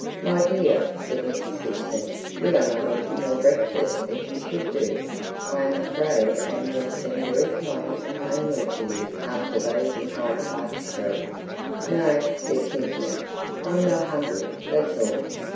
"My dear," said Mrs. Gibson, "you are not eating your breakfast as you should do. I am afraid our meals seem very plain and homely to you after those in Hyde Park Street?" "No," said Cynthia; "I'm not hungry, that's all."